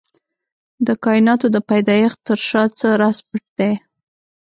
د کائناتو د پيدايښت تر شا څه راز پټ دی؟